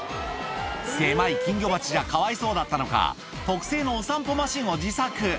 狭い金魚鉢じゃかわいそうだったのか、特製のお散歩マシンを自作。